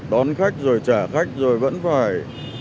đón khách rồi trả khách rồi vẫn phải